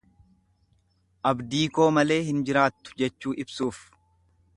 Abdii koo malee hin jiraattu jechuu ibsuuf.